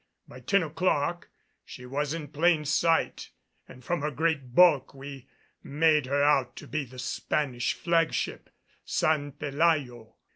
By ten o'clock she was in plain sight and from her great bulk we made her out to be the Spanish flag ship San Pelayo.